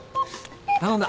頼んだ。